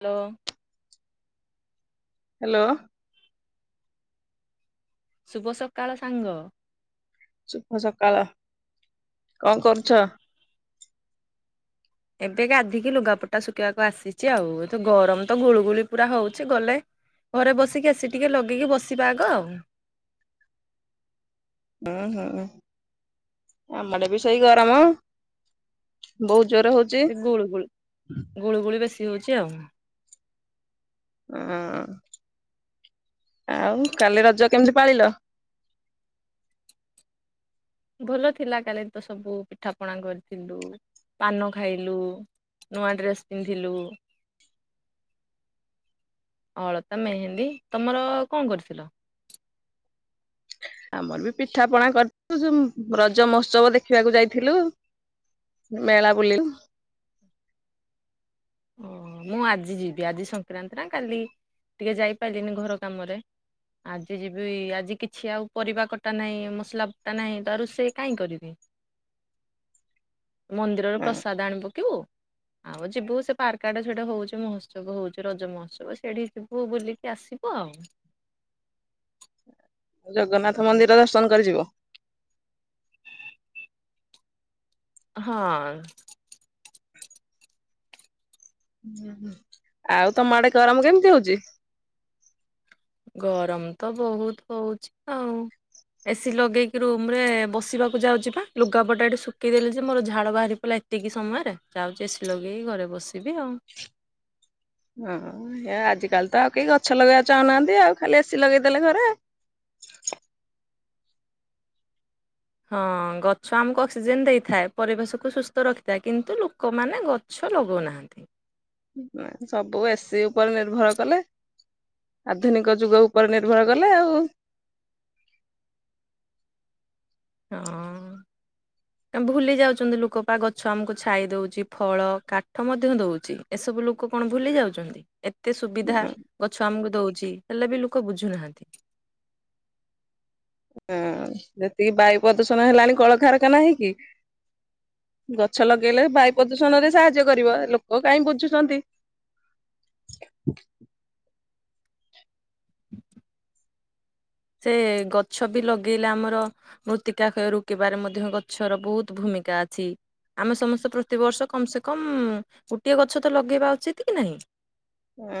Hello. Hello. ଶୁଭ ସକାଳ ସାଙ୍ଗ? ଶୁଭ ସକାଳ କଣ କରୁଛ? ଏବେ ଗାଧିକି ଲୁଗାପଟା ଶୁଖିବାକୁ ଆସିଛି ଆଉ ଏତ ଗରମତ ଗୁଳୁ ଗୁଳି ପୁରା ହଉଚି ଗଲେ ଘରେ ବସିକି ଏସି ଟିକି ଲଗେଇକି ବସିବା ଆଗ ଆଉ। ଉଁ ହୁଁ। ଆମ ଆଡ଼େବି ସେଇ ଗରମ ବହୁତ୍ ଜୋର ହଉଚି। ଗୁଳୁଗୁଳି ଗୁଳୁଗୁଳି ବେଶୀ ହଉଚି ଆଉ। ହଁ ଆଉ କାଲି ରଜ କେମିତି ପାଳିଲ? ଭଲ ଥିଲା କାଲିତ ସବୁ ପିଠା ପଣା କରିଥିଲୁ ପାନ ଖାଇଲୁ ନୂଆ ଡ୍ରେସ୍ ପିନ୍ଧିଲୁ ଅଳତା ମେହେନ୍ଦୀ ତମର କଣ କରିଥିଲ? ଆମରବି ପିଠା ପଣା କରିଥିଲୁ ରଜ ମହୋତ୍ସବ ଦେଖିବାକୁ ଯାଇଥିଲୁ। ମେଳା ବୋଲିଲୁ। ଓ ମୁଁ ଆଜି ଯିବି ଆଜି ସଂକ୍ରାନ୍ତିନା କାଲି ଟିକେ ଯାଇପାରିଲିନି ଘର କାମରେ ଆଜି ଯିବି ଆଜି କିଛି ଆଉ ପରିବା କଟା ନାହିଁ ମସଲା ବଟା ନାହିଁ ତରୋଷେଇ କାଇଁ କରିବି ମନ୍ଦିରରୁ ପ୍ରସାଦ ଆଣିପକେଇବୁ ଆଉ ଯିବୁ ସେ ପାର୍କଆଡ଼େ ସେଇଟେ ହଉଚି ମହୋତ୍ସବ ହଉଚି ରଜ ମହୋତ୍ସବ ସେଇଠି ଯିବୁ ବୁଲିକି ଆସିବୁ ଆଉ। ଜଗନ୍ନାଥ ମନ୍ଦିର ଦର୍ଶନ କରିିଯିବ? ହଁ। ହୁଁ ହୁଁ ଆଉ ତମ ଆଡ଼େ ଗରମ କେମିତି ହଉଚି? ଗରମତ ବହୁତ୍ ହୁଉଚି ଆଉ। ଏସିି ଲଗେଇକି ରୁମରେ ବସିବାକୁ ଯାଉଚିପା ଲୁଗାପଟା ଏଟି ଶୁକେଇଦେଲିଯେ ମୋର ଝାଳ ବାହାରି ପଇଲା ଏ ଏତିକି ସମୟରେ ଯାଉଚି ଏସି ଲଗେଇକି ଘରେ ବସିବି ଆଉ। ହଁ ହେଆଜିକାଲିତ ଆଉ କେହି ଗଛ ଲଗେଇବାକୁ ଚାହୁଁନାହାନ୍ତି ଆଉ ଖାଲି ଏସିି ଲଗେଇଦେଲେ ଘରେ। ହଁ ଗଛ ଆମକୁ ଅକ୍ସିଜେନ ଦେଇଥାଏ ପରିବେଶକୁ ସୁସ୍ଥ ରଖିଥାଏ କିନ୍ତୁ ଲୁକମାନେ ଗ ଛ ଲଗଉ ନାହାଁନ୍ତି। ନା ସବୁ ଏସିି ଉପରେ ନିର୍ଭର କଲେ। ଆଧୁନିକ ଯୁଗ ଉପରେ ନିର୍ଭର କଲେ ଆଉ। ହଁ। ଭୁଲି ଯାଉଚନ୍ତି ଲୋକପା ଗଛ ଆମକୁ ଛାଇ ଦଉଚି ଫଳ କାଠ ମଧ୍ୟ ଦଉଚି। ଏସବୁ ଲୋକ କଣ ଭୁଲି ଯାଉଚନ୍ତି? ଏତେ ସୁବିଧା ଗଛ ଆମକୁ ଦଉଚି ହେଲେବି ଲୋକ ବୁଝୁନାହାନ୍ତି। ହଁ ଯେତିକି ବାୟୁ ପ୍ରଦୂଷଣ ହେଲାଣି କଳକାରଖାନା ହେଇକି ଗଛ ଲଗେଇଲେ ବାୟୁ ପ୍ରଦୂଷଣରେ ସାହାଯ୍ୟ କରିବ ଲୋକ କାଇଁ ବୁଝୁଚନ୍ତି। [inaudible] ସେ ଗଛ ବି ଲଗେଇଲେ ଆମର ମୃତ୍ତିକାକ୍ଷୟ ରୋକିବାରେ ମଧ୍ୟ ଗଛର ବହୁତ ଭୂମିକା ଅଛି। ଆମେ ସମସ୍ତେ ପ୍ରତିବର୍ଷ କମ୍ ସେ କମ୍ ଗୋଟିଏ ଗଛ ତ ଲଗେଇବା ଉଚିତ କି ନାଇଁ? ହଁ।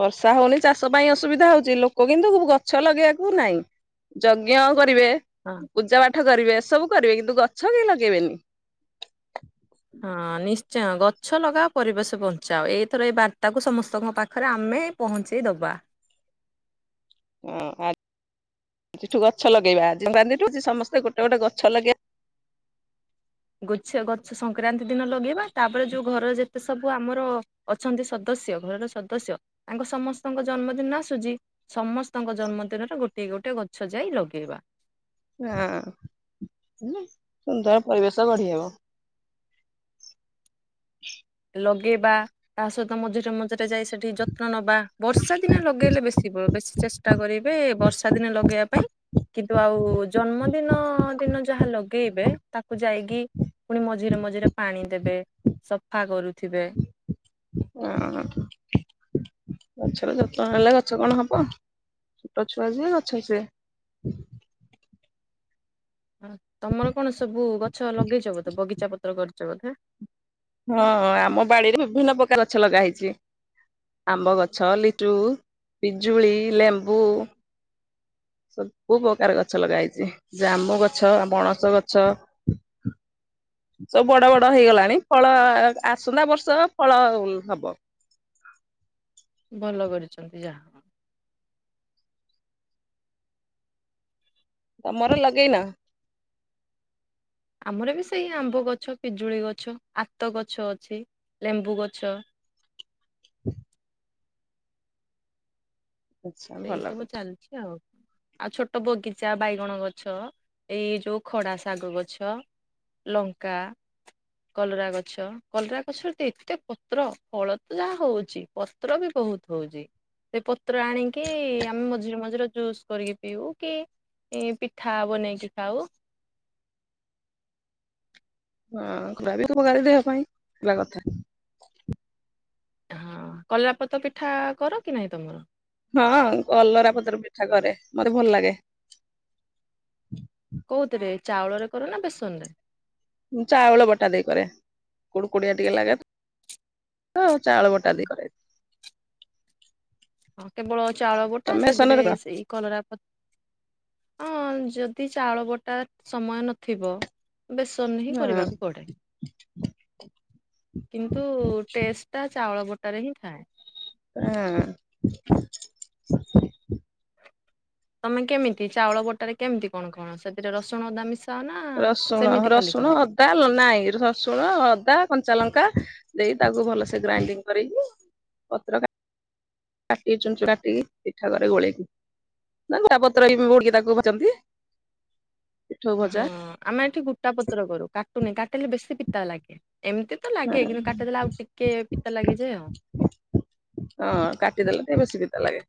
ବର୍ଷା ହଉନି ଚାଷ ପାଇଁ ଅସୁବିଧା ହଉଚି ଲୋକ କିନ୍ତୁ ଗଛ ଲଗେଇବାକୁ ନାଇଁ। ଯଜ୍ଞ ଆଉ କରିବେ ହଁ। ପୂଜା ପାଠ କରିବେ ଏସବୁ କରିବେ କିନ୍ତୁ ଗଛ କେହି ଲଗେଇବେନି। ହଁ ନିଶ୍ଚୟ ଗଛ ଲଗାଅ ପରିବେଶ ବଞ୍ଚାଅ ଏଇଥର ଏଇ ବାର୍ତ୍ତାକୁ ସମସ୍ତଙ୍କ ପାଖରେ ଆମେ ପହଁଞ୍ଚେଇ ଦବା। ଉଁ ଆଜି ଠୁ ଗଛ ଲଗେଇବା ଆଜିଠୁ ଯେ ସମସ୍ତେ ଗୋଟେ ଗୋଟେ ଗଛ ଲଗେଇବା। ଗଛ ଗଛ ସଂକ୍ରାନ୍ତି ଦିନ ଲଗେଇବା ତାପରେ ଯୋଉ ଘର ଯେ ସେ ସବୁ ଆମର ଅଛନ୍ତି ସଦସ୍ୟ ଘରର ସଦସ୍ୟ ଆଙ୍କ ସମସ୍ତଙ୍କ ଜନ୍ମଦିନ ଆସୁଚି। ସମସ୍ତଙ୍କ ଜନ୍ମଦିନରେ ଗୋଟଏ ଗୋଟିଏ ଗଛ ଯାଇ ଲଗେଇବା। ହଁ ହେଲା ସୁନ୍ଦର ପରିବେଶ ଗଢି ହବ। ହ [inaudible] ଲଗେଇବା ତା ସହିତ ମଝିରେ ମଝିରେ ଯାଇ ସେଠି ଯତ୍ନ ନବା ବର୍ଷା ଦିନେ ଲ ଗେଇଲେ ବେଶୀ ବେଶୀ ଚେଷ୍ଟା କରିବେ ବର୍ଷା ଦିନେ ଲଗେଇବା ପାଇଁ। କିନ୍ତୁ ଆଉ ଜନ୍ମଦିନ ଦିନ ଯାହା ଲଗେଇବେ ତାକୁ ଯାଇକି ପୁଣି ମଝିରେ ମଝିରେ ପାଣି ଦେବେ। ଫା କରୁଥିବେ। ହଁ ଗଛର ଯତ୍ନ ନ ନେଲେ ଗଛ କଣ ହବ? ଛୋଟ ଛୁଆ ଯିଏ ଗଛ ସିଏ। ହୁଁ [inaudible] ହ ତମର କଣ ସବୁ ଗଛ ଲଗେଇଚ ବୋଧେ ବଗିଚା ପତ୍ର କରିଚ ବୋଧେ? ହଁ ଆମ ବାଡିରେ ବିଭିନ୍ନ ପ୍ରକାର ଗଛ ଲଗା ହେଇଚି। ଆମ୍ବ ଗଛ ଲିଟୁ ପିଜୁଳି ଲେମ୍ବୁ ସବୁ ପ୍ରକାର ଗଛ ଲଗା ହେଇଚି ଜାମୁ ଗଛ ପଣସ ଗଛ ସବୁ ବଡ ବଡ ହେଇଗଲାଣି ଫଳ ଆସନ୍ତା ବର୍ଷ ଫଳ ହବ। ଭଲ କରିଚନ୍ତି ଯାହା ହଉ। ତମର ଲଗେଇନ? ଆମର ବି ସେଇ ଆମ୍ବ ଗଛ ପିଜୁଳି ଗଛ ଆତ ଗଛ ଅଛି ଲେମ୍ବୁ ଗଛ। ହ [inaudible] ଆଛା ଭଲ ଏଇସବୁ କରିଛ। ଚାଲିଚି ଆଉ। ଆଉ ଛୋଟ ବଗିଚା ବାଇଗଣ ଗଛ ଏଇ ଯୋଉ ଖଡା ଶାଗ ଗଛ ଲଙ୍କା କଲରା ଗଛ କଲରା ଗଛରେ ଏତେ ପତ୍ର ଫଳ ତ ଯାହା ହଉଚି ପ ପତ୍ର ବି ବହୁତ ହଉଚି ସେ ପତ୍ର ଆଣିକି କି ଆମେ ମଝିରେ ମଝିରେ ଜୁସ୍ କରିକି ପିଉ କି ଇ ପିଠା ବନେଇକି ଖାଉ। ହଁ ଗୁର ଉପକାରୀ ଦେହ ପାଇଁ ପିଇବା କଥା। ହଁ କଲାରାପତର ପିଠା କର କି ନାହିଁ ତମର? ହଁ କଲରା ପତ୍ର ପିଠା କରେ ମତେ ଭଲ ଲାଗେ। କୋଉଥିରେ ଚାଉଳ ରେ କର ନା ବେସନ ରେ? ଚାଉଳ ବଟା ଦେଇ କରେ କୁଡୁ କୋଡିଆ ଟିକେ ଲାଗେ। ହଁ ଚାଉଳ ବଟା ଦେଇ କରେ। ହଁ କେବଳ ଚାଉଳ ବୋଟା ତମେ ସେଥିରେ ବେସନରେ କର ସେଇ କଲରା ପ ହଁ ଯଦି ଚାଉଳ ବଟା ସମୟ ନଥିବ ବେସନରେ ହିଁ ହଁ କରିବାକୁ ପଡେ। କିନ୍ତୁ ଟେଷ୍ଟ ଟା ଚାଉଳ ବଟା ରେ ହିଁ ଥାଏ। [unintelligible] ତମେ କେମିତି ଚାଉଳ ବଟାରେ କେମିତି କଣ କଣ ସେଥିରେ ରସୁଣ ଅଦା ମିଶ [unintelligible] ସେମିତି ଖାଲି କର। ନାଲେ ନାଇ ରସୁଣ ଅଦା କଞ୍ଚା ଲଙ୍କା ଦେଇ ତାକୁ ଭଲସେ ଗ୍ରାଇଣ୍ଡିଙ୍ଗ କରିକି। ପତ୍ର କା। କାଟି ଚୁୁ କାଟିକି ପିଠା କରେ ଗୋଳେଇକି। [inaudible] ନା ବରାପତ୍ର ବଡିକି ତାକୁ ଭାଜନ୍ତି। ପିଠଉ ଭଜା ହଁ ଆମେ ଏଠି ଗୋଟା ପତ୍ର କରୁ କାଟୁନି କାଟିଲେ ବେଶୀ ପିତା ଲାଗେ ଏମିତି। ପିତା ତଲାଗେ କିନ୍ତୁ ହଁ କାଟିଦେଲେ ଆଉ ଟିକେ ପିତା ଲାଗେ ଯେ ଆଉ। ହଁ କାଟିଦେଲେ ଟିକେ ବେଶୀ ପିତା ଲାଗେ।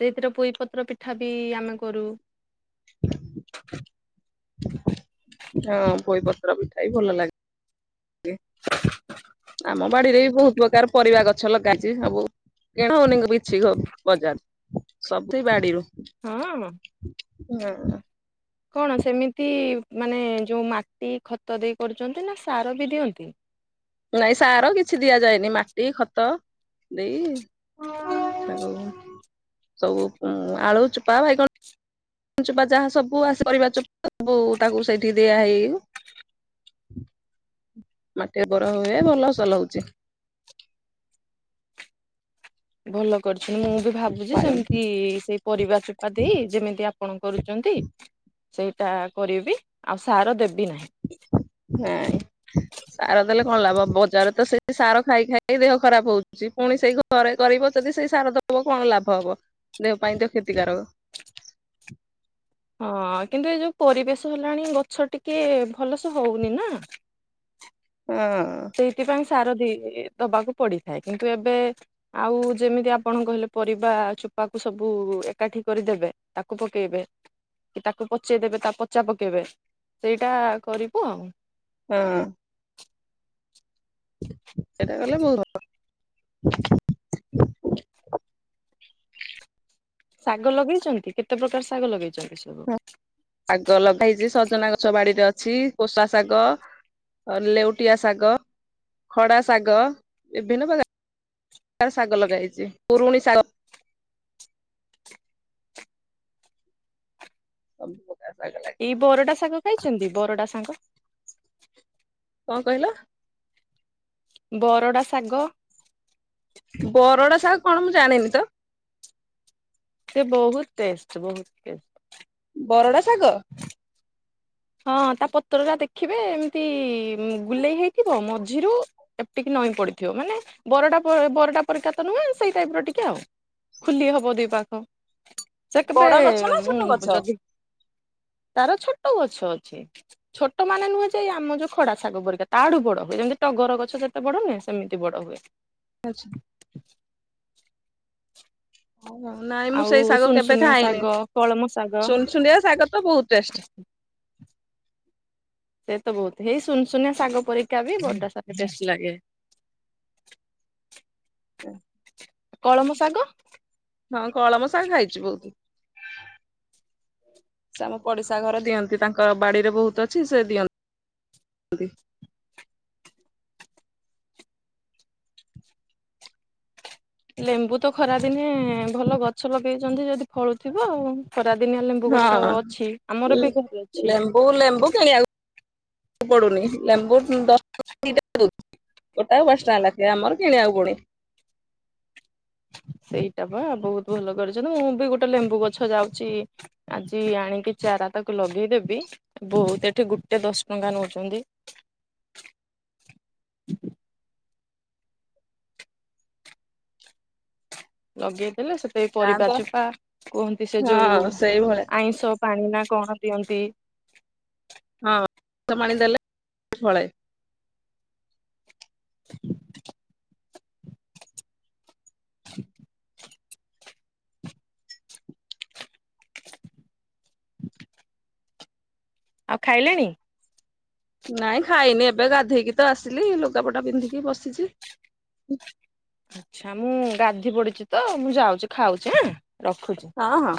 ସେଇଥିରେ ପୋଇପତ୍ର ପିଠା ବି ଆମେ କରୁ। [inaudible] ହଁ ପୋଇ ପତ୍ର ବି ଖାଇ ଭଲ ଲାଗେ ଟିକେ। ଆମ ବାଡିରେ ବି ବୋହୁତୁ ପ୍ରକାର ପରିବା ଗଛ ଲଗାହେଇଚି ସବୁ [unintelligible] [unintelligible] ବାଡିରୁ। ହଁ। ହଁ ହଁ। କଣ ସେମିତି ମାନେ ଯୋଉଁ ମାଟି ଖତଦେଇ କରୁଛନ୍ତି ନା ସାର ବି ଦିଅନ୍ତି। ନାଇଁ ସାର କିଛି ଦିଆଯାଏନି ମାଟି ଖତ ଦେଇ। [inaudible] ସବୁ ଉ ଆଳୁ ଚୋପା ବାଇଗଣ ଚୋପା ଯାହା ସବୁ ଆସେ ପରିବାଚୋପା। ସବୁ ତାକୁ ସେଇଠି ଦିଆ ହେଇ। ମାଟି ବର ହୁଏ ଭଲ ସଲ ହଉଚି। ଭଲ କରିଚୁ ମୁଁ ବି ଭାବୁଚି ବାଇଗଣ ସେମିତି ସେ। ପରିବା ଚୋପା ଦେଇ ଯେମିତି ଆପଣ କରୁଛନ୍ତି। ସେଇଟା କରିବି ଆଉ ସାର ଦେବି ନାହିଁ। [inaudible] ସାର ଦେଲେ କଣ ଲାଭ ବଜାର ତ ସେଇ ସାର ଖାଇ ଖାଇ ଦେହ ଖରାପ ହଉଚି ପୁଣି ସେଇ। ଥରେ କରିବ ଯଦି ସେଇ ସାର ଦବ କଣ ଲାଭ ହବ ଦେହ ପାଇଁ ତ କ୍ଷତିକାରକ। ହଁ, କିନ୍ତୁ ଏଇ ଯୋଉ ପରିବେଶ ହେଲାଣି ଗଛ ଟିକେ ଭଲସେ ହଉନି ନା। ହଁ। ସେଇଥିପାଇଁ ସାର ଦେଇଦିଏ ଦବାକୁ ପଡିଥାଏ କିନ୍ତୁ ଏବେ। ଆଉ ଯେମିତି ଆପଣ କହିଲେ ପରିବା ଚୋପାକୁ ସବୁ ଏକାଠି କରିଦେବେ। ତାକୁ ପକେଇବେ। କି ତାକୁ ପଚେଇଦେବେ ତା ପଚା ପକେଇବେ ସେଇଟା କରିବୁ। ହଁ। ସେଇଟା ଗଲେ ବହୁ [unintelligible] ଶାଗ ଲଗେଇଛନ୍ତି କେତେ ପ୍ରକାର ଶାଗ ଲଗେଇଛନ୍ତି ସବୁ। ଭଲ। ଶାଗ ଲଗା ହେଇଛି ସଜନା ଗଛ ବାଡିରେ ଅଛି କୋଷା ଶାଗ। ଲେଉଟିଆ ଶାଗ, ଖଡା ଶାଗ ବିଭିନ୍ନ ପ୍ରକାର ର ଶାଗ ଲଗା ହେଇଛି ପୁରୁଣି ଶାଗ ସବୁ ପ୍ରକାର ଶାଗ ଲାଗ୍ ଏଇ ବରଡା ଶାଗ ଖାଇଛନ୍ତି ବରଡା ସାଗ କଣ କହିଲ? ବରଡ଼ା ଶାଗ ବରଡା ସାଗ କଣ ମୁଁ ଜାଣିନି ତ ସେ ବହୁତ ଟେଷ୍ଟ ବହୁତ ଟେଷ୍ଟ ବରଡ଼ା ଶାଗ? ହଁ ତା ପତ୍ର ଟା ଦେଖିବେ ଏମିତି ଗୁଲେଇ ହେଇଥିବ ମଝିରୁ ଏପ୍ଟିକି ନଈଁ ପଡିଥିବ ମାନେ ବରଡ଼ା ବ ବରଡ଼ା ପରୀକା ତ ନୁହେଁ ସେଇ ଟାଇପ୍ ର ଟିକେ ଆଉ। ଖୁଲି ହବ ଦି ପାଖ ସେ ବଡ ଗଛ କେବେଁ ନା ଛୋଟ ଗଛ? ମୁଁ ଯଦି ତାର ଛୋଟ ଗଛ ଅଛି। ଛୋଟ ମାନେ ନୁହେଁ ଯେ ଏଇ ଆମ ଯୋଉ ଖଡା ଶାଗ ପରିକା ତାଠୁ ବଡ଼ ଯେମିତି ଟଗର ଗଛ ଯେମ୍ ବଡ଼ ନୁହେଁ ସେମତି ବଡ଼ ହୁଏ। ଆଛା। ହ ହ ନାଇଁ ମୁଁ ଆଉ ସେଇ ଶାଗ କେବେ ସୁନସୁନିଆ ଖାଇନି ଶାଗ କଳମ ଶାଗ ସୁନ୍ସୁନିଆ ଶାଗ ତ ବହୁତ ଟେଷ୍ଟ। ସେ ତ ବହୁତ ହେଇ ସୁନସୁୁନିଆ ଶାଗ ପରୀକା ବି ବରଡା ଶାଗ ଟେଷ୍ଟ ଲାଗେ। ହୁଁ। କଳମ ଶାଗ? ହଁ କଳମ ସାଗ ଖାଇଛି ବହୁତ୍। ସେ ଆମ ପଡିଶା ଘର ଦିଅନ୍ତି ତାଙ୍କ ବାଡିରେ ବହୁତ ଅଛି ସେ ଦିଅନ୍ତି। [unintelligible] ଲେମ୍ବୁ ତ ଖରା ଦିନେ ଭଲ ଗଛ ଲଗେଇଛନ୍ତି ଯଦି ଫଳୁଥିବ ଆଉ ଖରାଦିନିଆ ଲେମ୍ବୁ ଗଛ ଅଛି ଆମର ବି ଘରେ ଅଛି। ବୋଉ ଲେମ୍ବୁ କିଣିବାକୁ ପଡୁନି ଲେମ୍ବୁ ଦଶ ଟଙ୍କାରେ ଦିଇଟା ଦଉଚି। ଗୋଟାକୁ ପାଞ୍ଚ ଟଙ୍କା ଲେଖେ ଆମର କିଣିବାକୁ ପଡୁନି। ସେଇଟା ବା ବହୁତ ଭଲ କରିଛନ୍ତି ମୁଁ ବି ଗୋଟେ ଲେମ୍ବୁ ଗଛ ଯାଉଛି ଆଜି ଆଣିକି ଚାରା ତାକୁ ଲଗେଇଦେବି ବହୁତ ଏଠି ଗୋଟେ ଦଶ ଟଙ୍କା ନଉଛନ୍ତି। ଲଗେଇଦେଲେ ସେପେ ପରିବା ଚୋପା କୁହନ୍ତି ସେ ଯୋଉ ହଁ ସେଇଭଳିଆ ଆଇଁଷ ପାଣି ନା କଣ ଦିଅନ୍ତି? ହଁ [unintelligible] ଦେଲେ [unintelligible] ଫଳେ ଆଉ ଖାଇଲେଣି? ନାଇଁ ଖାଇନି ଏବେ ଗାଧେଇକି ତ ଆସିଲି ଲୁଗାପଟା ପିନ୍ଧିକି ବସିଛି। ଆଚ୍ଛା ମୁଁ ଗାଧି ପଡିଛି ତ ମୁଁ ଯାଉଛି ଖାଉଛି ଆଁ ରଖୁଛି। ହଁ ହଁ।